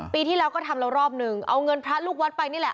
ปีที่แล้วก็ทำแล้วรอบหนึ่งเอาเงินพระลูกวัดไปนี่แหละ